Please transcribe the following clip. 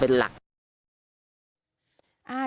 เป็นหลัก